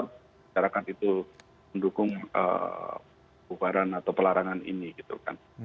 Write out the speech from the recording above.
bagaimana cara kan itu mendukung bubaran atau pelarangan ini gitu kan